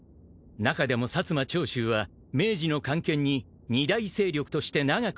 ［中でも薩摩長州は明治の官憲に二大勢力として長く君臨］